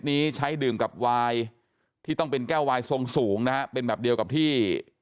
ได้มีใช้ดื่มกับไวที่ต้องเป็นแก้วไวทรงสูงเป็นแบบเดี๋ยวกับที่